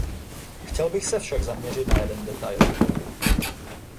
Chtěl bych se však zaměřit na jeden detail.